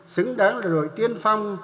xứng đáng là đội tiên phong